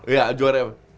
iya juara eropa